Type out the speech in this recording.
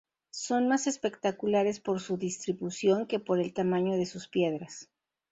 Son más espectaculares por su distribución que por el tamaño de sus piedras.